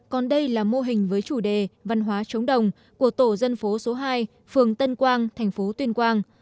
còn đây là mô hình với chủ đề văn hóa trống đồng của tổ dân phố số hai phường tân quang thành phố tuyên quang